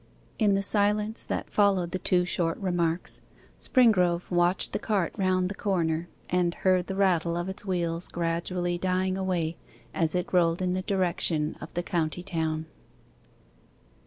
In the silence that followed the two short remarks, Springrove watched the cart round the corner, and heard the rattle of its wheels gradually dying away as it rolled in the direction of the county town.